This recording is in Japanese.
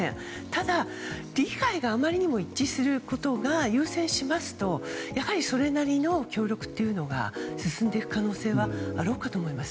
ただ、利害があまりにも一致することが優先しますとやはりそれなりの協力が進んでいく可能性があろうかと思います。